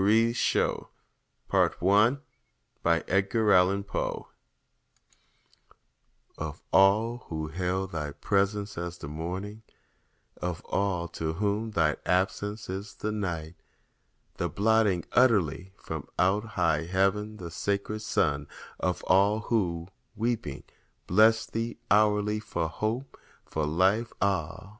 1849 TO MARIE LOUISE (SHEW) Of all who hail thy presence as the morning— Of all to whom thine absence is the night— The blotting utterly from out high heaven The sacred sun—of all who, weeping, bless thee Hourly for hope—for life—ah!